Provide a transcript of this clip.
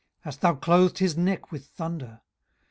hast thou clothed his neck with thunder?